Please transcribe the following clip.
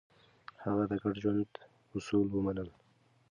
هغه د ګډ ژوند اصول ومنل.